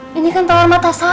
minimal berani lawan rasa asam